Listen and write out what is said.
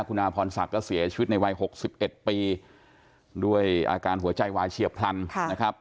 คุณอาพรศักดิ์ก็เสียชีวิตในวัย๖๑ปีด้วยอาการหัวใจวายเฉียบพลันนะครับ